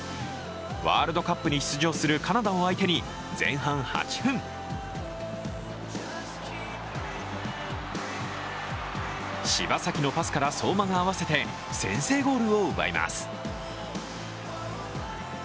ワールドカップに出場するカナダを相手に前半８分柴崎のパスから相馬が合わせて先制ゴールを奪います。